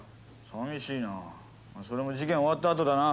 寂しいなそれも事件終わったあとだな